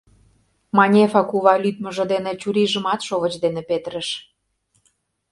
Манефа кува лӱдмыжӧ дене чурийжымат шовыч дене петырыш.